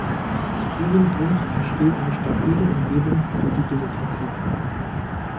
Aus diesem Grund entsteht eine stabile Umgebung für die Demokratie.